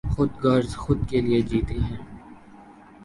خود غرض خود لئے جیتے ہیں۔